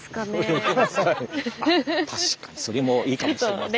確かにそれもいいかもしれません。